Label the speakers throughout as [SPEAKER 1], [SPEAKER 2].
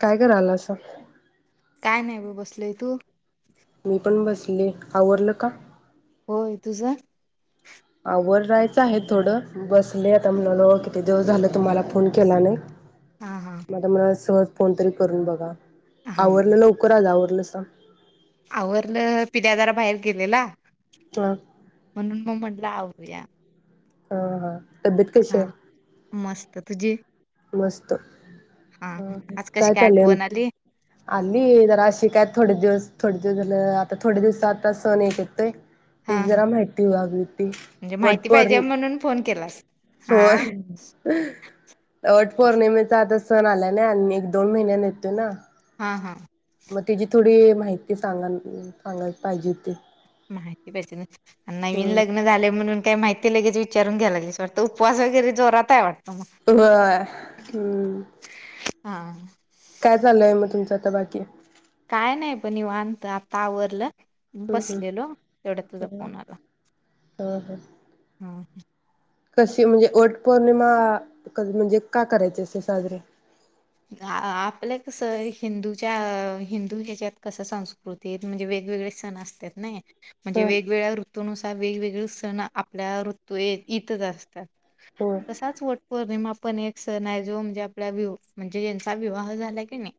[SPEAKER 1] काय करालासा
[SPEAKER 2] काय नाय ब बसलय तू
[SPEAKER 1] मी पण बसले आवरल का?
[SPEAKER 2] होय तुझ
[SPEAKER 1] रायच आहे थोड बसले आता म्हणलं किती दिवस झाले तुम्हाला फोन केला
[SPEAKER 2] हा हा
[SPEAKER 1] नाय [inaudible] फोनतरी करून बघा
[SPEAKER 2] हा
[SPEAKER 1] आवरल लवकर आज आव [inaudible]
[SPEAKER 2] आवरलं पिल्या जरा बाहेर गेलेला
[SPEAKER 1] हा
[SPEAKER 2] म्हणून मग म्हटल आव [inaudible]
[SPEAKER 1] रिकामा ऑडिओ [inaudible]
[SPEAKER 2] हा मस् त तुझी
[SPEAKER 1] मस्त
[SPEAKER 2] हा आज कशी
[SPEAKER 1] काय चालय
[SPEAKER 2] आठवण आली
[SPEAKER 1] आली जरा अशी काय थोडे दिवस थोडे दिवस झाल आता थोडे दिवस आता सण एक येतय ती
[SPEAKER 2] हा हा
[SPEAKER 1] जरा माहिती ओ अगदी ती.
[SPEAKER 2] म्हणजे माहिती पाहिजे
[SPEAKER 1] वटपौर्णि,
[SPEAKER 2] म्हणून फोन केलास हा
[SPEAKER 1] होय. वट पौर्णिमेचा आता सण आला नाय आणि एक दोन महिन्यानी येतो ना
[SPEAKER 2] हा हा
[SPEAKER 1] म त्याची थोडी माहिती सांग सांगाय पाहिजे होती.
[SPEAKER 2] माहिती पहिज न नवीन
[SPEAKER 1] हम्म.
[SPEAKER 2] लग्न झालय म्हणून काय माहिती लगेच विचारून घ्यायाला लागलीस वाटत उपवास वगैरे जोरात आहे वाट
[SPEAKER 1] होय हूं
[SPEAKER 2] हा
[SPEAKER 1] काय चाललय म तुमच आता बाकी
[SPEAKER 2] काय नाही पण निवांत आता आवरल बसलेलो तेवढ्यात
[SPEAKER 1] ह
[SPEAKER 2] तुझा फोन आला
[SPEAKER 1] ह
[SPEAKER 2] हा
[SPEAKER 1] कशी म्हणजे वट पौर्णिमा म्हणजे का करायची असते साजरी
[SPEAKER 2] आ आपल्या कस हिंदूच्या हिंदू ह्याच्यात कस संस्कृतीत म्हणजे वेगवेगळे सण असत्यात नाय म्हणजे
[SPEAKER 1] ह
[SPEAKER 2] वेगवेगळ्या ऋतू नुस वेगवेगळ सण आपल्या ऋतू येत ईतच असतात.
[SPEAKER 1] हो.
[SPEAKER 2] तसाच वट पौर्णिमा पण एक सण आहे जो म्हणजे आपल्या व्ह्यू जे ज्यांचा विवाह झाला की नाही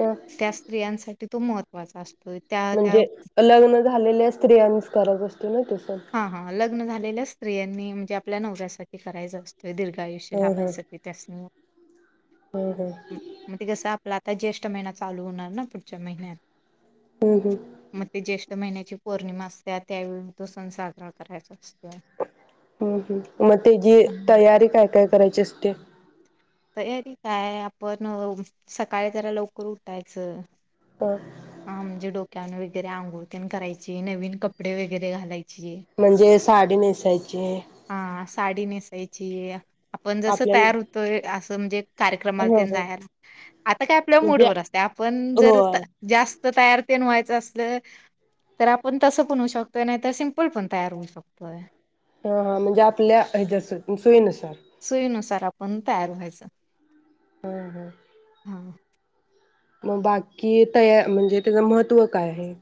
[SPEAKER 1] ह
[SPEAKER 2] त्या स्त्रियांसा ते तू मत
[SPEAKER 1] म्हणजे अलग्न झालेलेच स्त्रियांनीच करायचं असं
[SPEAKER 2] हा हा लग्न झालेलंस स्त्रियांनी म्हणजे आपल्या नवऱ्यासाठी करायचा अस ते दीर्घ आयुष्य
[SPEAKER 1] हम् हम
[SPEAKER 2] लाभायसाठी त्यास्नी
[SPEAKER 1] हम् हम
[SPEAKER 2] मग तिक साप ला ताई ज्येष्ठ महिना चालू होणार ना पुढच्या महिन्यात.
[SPEAKER 1] हम् हम.
[SPEAKER 2] म ते ज्येष् महिन्याची पौर्णिमा असत्या त्यावेळी तोस [unintelligible] साजरा करायचा अस
[SPEAKER 1] हम्म ह्म्म मग ती जी तयारी काय काय करायची असते.
[SPEAKER 2] तयारी काय आपण सकाळी जरा लवकर उठायचं
[SPEAKER 1] ह
[SPEAKER 2] हा म्हणजे डोक् त्या नवीतरी अंघोळकन करायची नवीन कपडे वगैरे घालाय
[SPEAKER 1] म्हणजे साडी नेसायचे
[SPEAKER 2] हा साडी नेसायची हे पण जसं
[SPEAKER 1] आपल्याला
[SPEAKER 2] तयार होतोय अस समजेत कार्यक्रमाला
[SPEAKER 1] ह
[SPEAKER 2] तेने
[SPEAKER 1] ह
[SPEAKER 2] जायाच आता काय आपल
[SPEAKER 1] म्हणजे
[SPEAKER 2] मुडवर असतय आपण जर त
[SPEAKER 1] होय.
[SPEAKER 2] जास्त तयार ते बनवायचं असलं तर आपण तस बनवू शकतोय नाही तर सिपं कोण पण तयार होऊ शकतोय.
[SPEAKER 1] हा हा म्हणजे आपल्या ह्याच्यास सोयीन
[SPEAKER 2] सोयीनुसार आपण तयार व्हायचं
[SPEAKER 1] हम्म ह्म्म
[SPEAKER 2] हा
[SPEAKER 1] मग बाकी तया म्हणजे त्याच महत्त्व काय आहे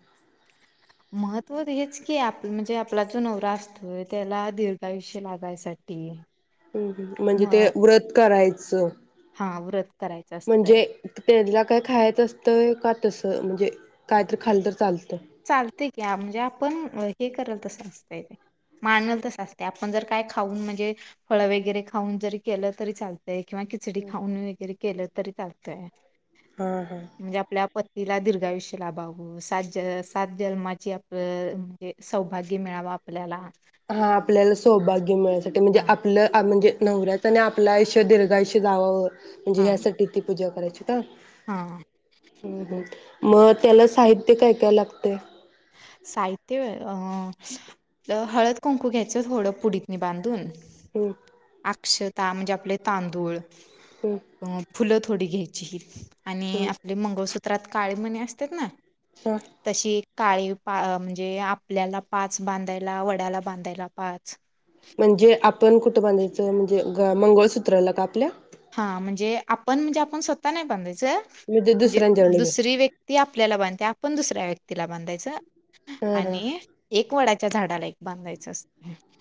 [SPEAKER 2] महत्त्व हेच की आपण म्हणजे आपला जो नवरा असतोय त्याला दीर्घायुष लागायसाठी
[SPEAKER 1] ह्म्म ह्म्म म्हणजे
[SPEAKER 2] म
[SPEAKER 1] ते व्रत कराय स
[SPEAKER 2] हा व्रत करायचं असतंय
[SPEAKER 1] म्हणजे तेला काय खायच असतंय का तसं म्हणजे कायतरी खाल तर चालतंय.
[SPEAKER 2] चालतय. की म्हणजे आपण हे करेल तसं असतंय माणल तसं असतं आपण जर काय खाऊन म्हणजे फळ वगैरे खाऊन जरी केलं तरी चालत. ते किंवा खिचडी खाऊन वगैरे केलं तरी चालतंय.
[SPEAKER 1] हा हा.
[SPEAKER 2] म्हणजे आपल्या प पतीला दीर्घायुष्य लाभाव सात जस सात जन्मांची आपलं म्हणजे सौभाग्य मिळावं आपल्याला
[SPEAKER 1] हा आपल्याला सौभाग्य मिळत. ते म्हणजे
[SPEAKER 2] हा
[SPEAKER 1] आपलं म्हणजे नवऱ्याच आणि आपलं आयुष्य दीर्घायुष्य जावाव. म्हणजे
[SPEAKER 2] हा
[SPEAKER 1] ह्यासाठी ती पूजा करायची. तर
[SPEAKER 2] हा
[SPEAKER 1] हू हू मग त्याला साहित्य काय काय लागतया.
[SPEAKER 2] साहित्य होय आपल हळद कुंकू घ्यायच थोडं पुडीतनी बांधून.
[SPEAKER 1] हम्म
[SPEAKER 2] अक्षत अक्षता म्हणजे आपले तांदूळ.
[SPEAKER 1] हम्म
[SPEAKER 2] अ फुलं थोडी घ्यायची. झिर आणि
[SPEAKER 1] हम्म
[SPEAKER 2] आपले मंगळसूत्र त्रात काळे मणी असत्यात ना
[SPEAKER 1] हा.
[SPEAKER 2] तशी काळी पा म्हणजे आपल्याला पाच बांधायला वड्याला बांधायला पाच.
[SPEAKER 1] म्हणजे आपण आपण कुठं बांधायचं म्हणजे गकळा मंगळसूत्रला का आपल्या?
[SPEAKER 2] हा म्हणजे आपण म्हणजे आपण स्वतः नाही बांधायच. च म्हणजे
[SPEAKER 1] दुसऱ्यांच्याकडे घे
[SPEAKER 2] दुसरी व्यक्ती आपल्याला बांधते आपण दुसऱ्या व्यक्तीला तिला बांधायचं.
[SPEAKER 1] हा हा
[SPEAKER 2] आणि एक वडा च्या झाडाला एक बांधायचं असतं.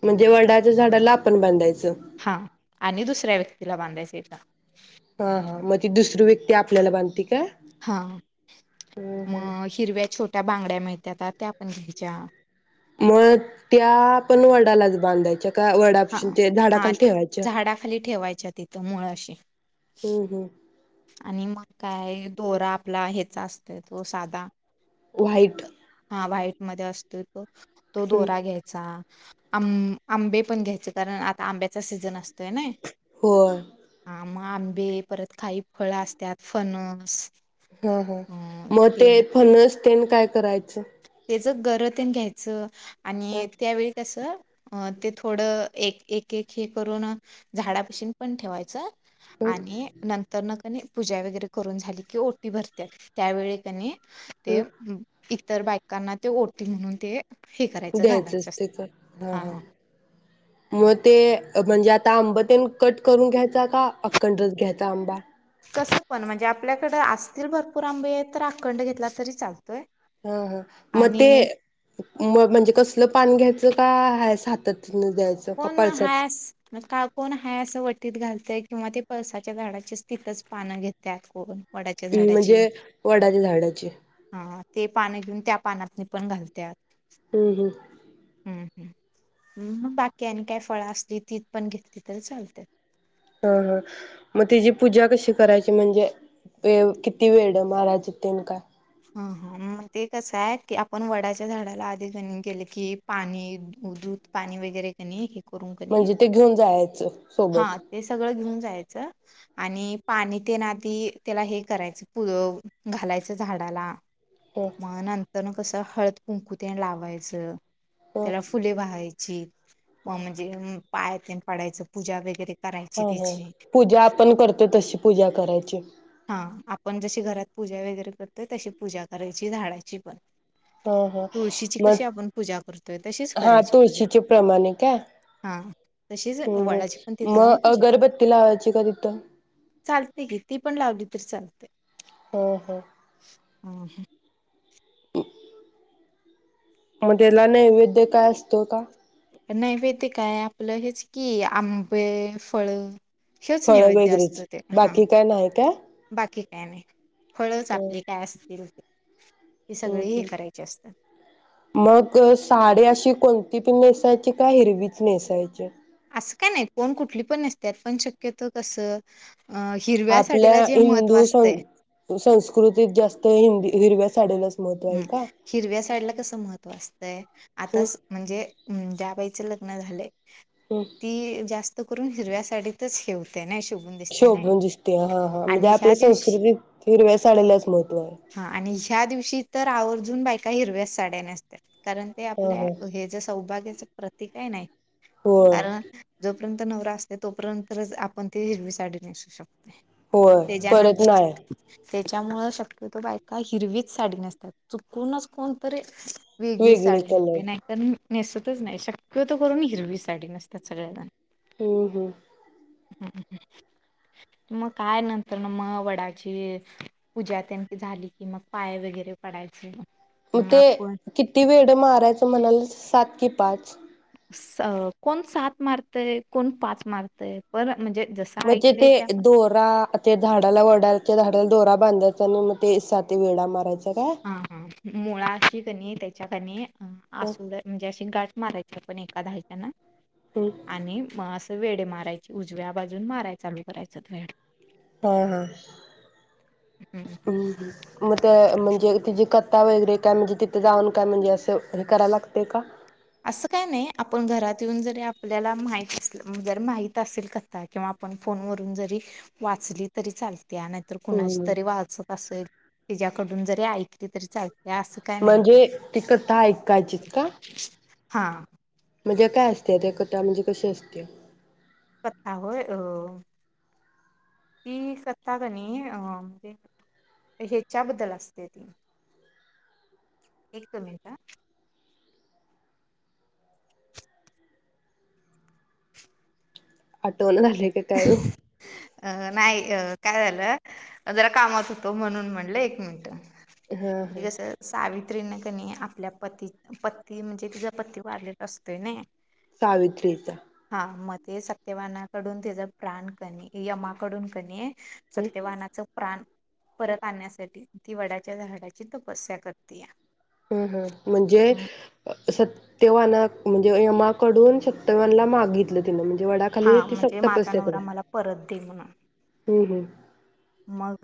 [SPEAKER 1] म्हणजे वडाच्या झाडाला आपण बांधायचं.
[SPEAKER 2] हा आणि दुसऱ्या व्यक्तीला बांधायच एका
[SPEAKER 1] हा हा मग ती दुसरी व्यक्ती आपल्याला बांधते. काय
[SPEAKER 2] हा मग हिरव्या छोट्या बांगड्या मिळ येतात त्या आपण घ्यायच्या
[SPEAKER 1] मग त्या पण वडालाच बांधायच्या का वडा ते
[SPEAKER 2] हा-हा
[SPEAKER 1] झाडाखाली ठेवायच्या
[SPEAKER 2] झाडाखाली ठेवायच्या तिथं मूळाशी
[SPEAKER 1] हम्म हम्म
[SPEAKER 2] आणि मग काय दोरा आपला ह्याचा असत तो सादा
[SPEAKER 1] वाइट
[SPEAKER 2] हा व्हाईटमध्ये असतोय तो तो
[SPEAKER 1] हम्म
[SPEAKER 2] दोरा घ्यायचा आं आंबे पण घ्यायचे कारण आता आंब्याचा सीझन असतो. ते नय
[SPEAKER 1] होय
[SPEAKER 2] म आंबे परत खाईप फळ असत्यात फणस
[SPEAKER 1] हा हा
[SPEAKER 2] अ
[SPEAKER 1] मग
[SPEAKER 2] हे
[SPEAKER 1] ते फणस तेन काय करायचं?
[SPEAKER 2] त्याच गर तेन घ्यायचं
[SPEAKER 1] ह
[SPEAKER 2] आणि त्यावेळी कस ते थोडं एक एक एक हे करून झाडापशीन पण ठेवायचं आणि नंतर न कने पूजा वगैरे करून झाली कि ओटी भरते त्यावेळी कने ते
[SPEAKER 1] ह
[SPEAKER 2] [unintelligible] तर बायकांना ते ओढतील म्हणून ते हे करायचं
[SPEAKER 1] द्यायचंच
[SPEAKER 2] घालायचं असतं.
[SPEAKER 1] तेच हा हा म ते म्हणजे आता आंब ते कट करून घ्यायचा का अक्कंड रस घ्यायचा आंबा
[SPEAKER 2] कसं पण म्हणजे आपल्याकडं असतील भरपूर आंबे आहेत तर अखंड घेतला तरी चालतोय
[SPEAKER 1] हा हा मग ते
[SPEAKER 2] आणि
[SPEAKER 1] म म्हणजे कसलं पान घ्याय जं काय हाय सातत द्यायचं
[SPEAKER 2] कोण
[SPEAKER 1] कपालचाच
[SPEAKER 2] हाय असं का कोण हा असं वटीत घालतय किंवा ते पळसाच्या झाडाची स् तितच पानं घेत कोण वडाच्या
[SPEAKER 1] इ
[SPEAKER 2] झाडाची
[SPEAKER 1] म्हणजे वडाच्या झाडाची
[SPEAKER 2] हा ते पाणं घेऊन त्या पानातनि पण घालत्यात.
[SPEAKER 1] हूं हूं
[SPEAKER 2] हम् हम हम् बाकी काय नी काय फळं असली ती पण घेतली तरी चालत्यात
[SPEAKER 1] ह हा मग तिजी पूजा कशी करायची म्हणजे वे किती वेळ आहे महाराज येतीन का?
[SPEAKER 2] ह हा मग ते कसं आहे की आपण वडाच्या झाडाला आधी घणी केलं की पाणी दूध पाणी वगैरे कणी की
[SPEAKER 1] म्हणजे ते घेऊन जायाचं
[SPEAKER 2] हां ते सग घेऊन जायचं आणि पाणी तेन आती त्याला हे करायचं पुळ घालायचं झाडाला
[SPEAKER 1] ह
[SPEAKER 2] मानंतन कसं हळद कुंकु तेन लावायचं.
[SPEAKER 1] ह
[SPEAKER 2] त्याला फुले वाहाय चि म मजी पाया तेन पडायचं पूजा वैगेरे
[SPEAKER 1] हां हां पूजा आपण करतो तशी पूजा करायची.
[SPEAKER 2] हां आपण जशी घरात पूजा वगैरे करतोय तशी पूजा करायची झाडाची पण.
[SPEAKER 1] हां हां
[SPEAKER 2] तुळशीची
[SPEAKER 1] मग
[SPEAKER 2] कशी आपण पूजा करतोय तशीच
[SPEAKER 1] हां
[SPEAKER 2] करायची पूजा
[SPEAKER 1] तुळशीचे प्रमाणे काय
[SPEAKER 2] हा तशीच
[SPEAKER 1] हम्म
[SPEAKER 2] वडाची पण
[SPEAKER 1] हम्म
[SPEAKER 2] तिथे
[SPEAKER 1] म
[SPEAKER 2] जाऊन पूजा कर
[SPEAKER 1] अगरबत्ती लावायची का तिथं.
[SPEAKER 2] इ तर चालतंय.
[SPEAKER 1] हो हो
[SPEAKER 2] हं हं
[SPEAKER 1] [inaudible] म द्यायला नैवेद्य काय असतो का?
[SPEAKER 2] नैवेद्य काय आपलं हेच की आंबे फळं
[SPEAKER 1] फळं वगैरेच बाकी काय नाही काय?
[SPEAKER 2] बाकी काय नई. फळंच आपले काय असतील [inaudible]
[SPEAKER 1] हम्
[SPEAKER 2] हे
[SPEAKER 1] हम्
[SPEAKER 2] करायचे असतात
[SPEAKER 1] मग साडी अशी कोण ती पण नेसायची का हिरवीच नेसायची?
[SPEAKER 2] असं का नाही कोण कुठली पण नेसत्यात पण शक्यतो कसं अ हिरव्या
[SPEAKER 1] आपल्या
[SPEAKER 2] साडीला जे महत्त्व
[SPEAKER 1] हिंदू
[SPEAKER 2] असतंय
[SPEAKER 1] सं संस्कृतीत जास्त हिंदी हिरव्या साडीला
[SPEAKER 2] हम् हिरव्या साडीला कसं महत्त्व असतंय आता
[SPEAKER 1] हम्म
[SPEAKER 2] स म्हणजे ज्या बाई चे लग्न झालंय.
[SPEAKER 1] हम्म
[SPEAKER 2] ती जास् ते करून हिरव्या साडीतच हे होतंय नाय
[SPEAKER 1] शोभून दिसतंय हां हां म्हणजे
[SPEAKER 2] ह्या
[SPEAKER 1] आपल्या
[SPEAKER 2] दिवशी
[SPEAKER 1] संस्कृतीत हिरव्या साडीलाच महत्व आहे.
[SPEAKER 2] हा आणि ह्या दिवशी तर आवर्जून बायका हिरव्याच साड्या नेसतात. कारण ते
[SPEAKER 1] ह
[SPEAKER 2] आपल्या
[SPEAKER 1] ह
[SPEAKER 2] हे जे सौभाग्याचं प्रती काय नाय
[SPEAKER 1] होय
[SPEAKER 2] कारण जो नंतर न नवरा असते तोपर्यंतच आपण ती हिरवी साडी नेसू शकतो.
[SPEAKER 1] होय परत नाही.
[SPEAKER 2] त्याच्यामुळं शक्यतो बायका हिरवीच साडी नेसतात. चुकूनच कोणतरी वेगळी
[SPEAKER 1] वेगळे
[SPEAKER 2] साडी नेसते
[SPEAKER 1] कलर
[SPEAKER 2] नाहीतर नेसतच नाही शक्यतो करून हिरवी साडी नेसतात सगळ्याला
[SPEAKER 1] हू हू
[SPEAKER 2] मग काय नंतर ना मग वडाची पूजा त्यांन झाली कि मग पाय वगैरे पडायचं
[SPEAKER 1] मग ते किती वेड मारायचं म्हणालीसा सात की पाच
[SPEAKER 2] कोण सात मारतय, कोण पाच मारतय पर म्हणजे जसं
[SPEAKER 1] म्हजे
[SPEAKER 2] ऐकलंय
[SPEAKER 1] ते
[SPEAKER 2] त्या पण
[SPEAKER 1] दोरा ते झाडाला वडाच्या झाडाला दोरा बांधायचा मग ते सात वेडा मारायचा. तरा [inaudible]
[SPEAKER 2] मुळाशी कणी त्यांच्याकणी हम्म असूदे म्हणजे अशी गाठ मारायचं पण एका दहाच्यानां
[SPEAKER 1] हम्म
[SPEAKER 2] आणि म अस वेडे मारायच उजव्या बाजून माराय चालू करायचा वेड
[SPEAKER 1] हा हा मग ते म्हणजे तिजी कथा वगैरे काय म्हणजे तिथे जाऊन काय म्हणजे असं हे कराय लागतय का?
[SPEAKER 2] असं काय नाही आपण घरात येऊन जरी आपल्याला माहित नसलं जर माहित असेल कथा किंवा आपण फोनवरून जरी वाचली तरी चालत. त्या नाहीतर कुणाची
[SPEAKER 1] हम्म
[SPEAKER 2] तरी वाचत असेल. तिच्याकडून जरी ऐकली तरी चालती.
[SPEAKER 1] म्हणजे ति कथा ऐकायची का?
[SPEAKER 2] हा [unintelligible]
[SPEAKER 1] म्हणजे काय असतय ते कथा म्हणजे कशी असतीया
[SPEAKER 2] कथा होय अं ती कथा कनी अं ह्याच्याबद्दल असते, ती एक मिनिट हं [inaudible]
[SPEAKER 1] डोल झाले की काय ओ?
[SPEAKER 2] अ नाही काय झालं जरा कामात होतो म्हणून म्हणलं एक मिनिट.
[SPEAKER 1] हा
[SPEAKER 2] ते
[SPEAKER 1] हा
[SPEAKER 2] कसं सावित्री न त्यांनी आपल्या पती पती म्हणजे तीचा पती वारलेला असतोय नाय
[SPEAKER 1] सावित्रीचा
[SPEAKER 2] म ते सत्यवानाकडून त्याचा प्राण कनी यमाकडून कनी
[SPEAKER 1] हम्म
[SPEAKER 2] सत्यवानाच प्राण परत आणण्यासाठी ती वडाच्या झाडाची तपस्या करतेया
[SPEAKER 1] हूं हूं म्हणजे सत सत्यवाना म्हणजे यमाकडून सत्यवानला मागितलं तिनं म्हण
[SPEAKER 2] हा म्हणजे माझा नवरा मला परत दे म्हणून
[SPEAKER 1] हूं हूं
[SPEAKER 2] मग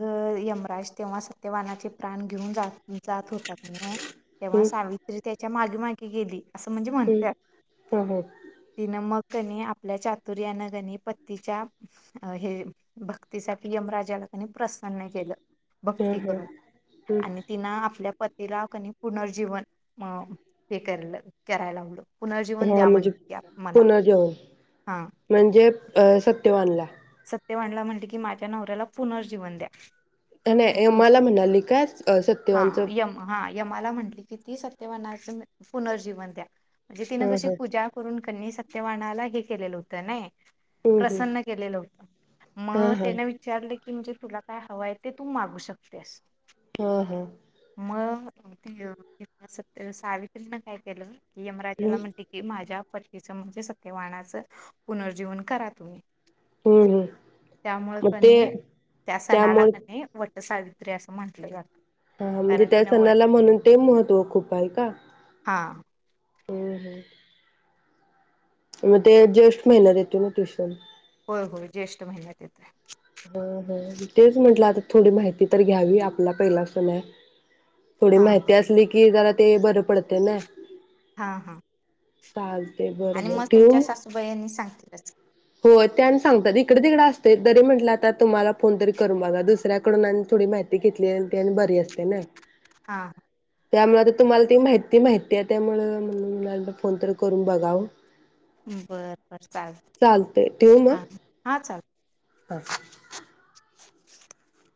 [SPEAKER 2] यमराज तेव्हा सत्यवानाचे प्राण घेऊन जात जात होता कणी तेव्हा सावित्री त्या च्या मागे मागे गेली. असं म्हणजे
[SPEAKER 1] हम्म
[SPEAKER 2] म्हणत्यात
[SPEAKER 1] हम्म हा हा
[SPEAKER 2] तिनं मग कणी आपल्या चातुर्यानं कणी पतीच्या हे भक्तीसाठी यमराजाला आणि प्रस् न्न केलं
[SPEAKER 1] हा
[SPEAKER 2] भक्ती
[SPEAKER 1] हा
[SPEAKER 2] करून
[SPEAKER 1] हम्म
[SPEAKER 2] आणि तिन आपल्या पतीला कणी पुनर्जीवन म हे करय कराय लावल.
[SPEAKER 1] हा म्हणजे पुन्हा जन्म
[SPEAKER 2] हा
[SPEAKER 1] म्हणजे अ अ सत्यवानला
[SPEAKER 2] सत्यवानला म्हणली की माझ्या नवऱ्याला पुनर्जीवन द्या मी
[SPEAKER 1] नाय
[SPEAKER 2] तुम
[SPEAKER 1] यमाला म्हणाली काय सत्यवांचं
[SPEAKER 2] किती सत्यवानाचं पुनर्जीवन द्या म्हणजे तिनं
[SPEAKER 1] हा
[SPEAKER 2] कशी
[SPEAKER 1] हा
[SPEAKER 2] पूजा करून कणी सत्यवानाला हे केलेलं होत नाय
[SPEAKER 1] हम्म हम्म
[SPEAKER 2] प्रसन्न केलेलं
[SPEAKER 1] हा
[SPEAKER 2] म
[SPEAKER 1] हा
[SPEAKER 2] त्याने विचारले की म्हणजे तुला काय हवा आहे ते तू मागू शकतेस.
[SPEAKER 1] हा हा
[SPEAKER 2] त ती सत सावित्रीन काय केलं यमराज्याला
[SPEAKER 1] हम्म
[SPEAKER 2] म्हणते की माझ्या पतीच म्हणजे सत्यवाणाच पुनर्जीवन करा तुम्ही
[SPEAKER 1] हम्म हम्म
[SPEAKER 2] त्यामुळे
[SPEAKER 1] मग ते
[SPEAKER 2] कनी त्या सणाला
[SPEAKER 1] त्यामुळे
[SPEAKER 2] कणी वट सावित्री असं म्हटलं जातं
[SPEAKER 1] हा म्हणजे
[SPEAKER 2] कारण
[SPEAKER 1] त्या
[SPEAKER 2] तिनं व
[SPEAKER 1] सणाला म्हणून ते महत्त्व खूप हाय का?
[SPEAKER 2] हा
[SPEAKER 1] हूं हूं मग ते जेष्ठ महीन्यात येतो ना तो सण
[SPEAKER 2] होय होय ज्येष्ठ महिन्यात येतय
[SPEAKER 1] हा हा तेच म्हटलं आता थोडी माहिती तर घ्यावी आपला पहिला पहिला सण आहे थोडी
[SPEAKER 2] हा
[SPEAKER 1] माहिती
[SPEAKER 2] हा
[SPEAKER 1] असली की जरा ते बरं पडतय ना.
[SPEAKER 2] हा हा
[SPEAKER 1] [inaudible]
[SPEAKER 2] आणि
[SPEAKER 1] बर
[SPEAKER 2] मग तुमच्या सासूबाईंनी सांगतीलच.
[SPEAKER 1] होय त्या आणि सांगतात इकडे तिकडं असते तरी म्हटलं आता तुम्हाला फोन तरी करून बघा दुसऱ्याकडून आणि थोडी माहिती घेतली आणि तेनं बरी असते ना
[SPEAKER 2] हा
[SPEAKER 1] त्यामुळे आता तुम्हाला ती माहिती माहिती आहे त्यामुळे म्हणलं फोन तर करून बघावं.
[SPEAKER 2] बर बर चाल
[SPEAKER 1] चालतय ठेवू म [inaudible]
[SPEAKER 2] [inaudible]